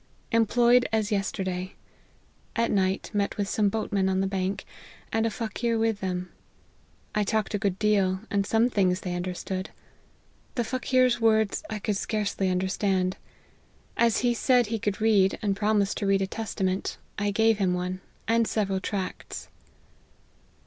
Employed as yesterday. At night met some boatmen on the bank, and a Fakir with them : I talked a good deal, and some things they understood. The Fakir's words I could scarcely H 86 LIFE OF HENRY MARTYN. understand. As he said he could read, and pro mised to read a Testament, I gave him one, and several tracts."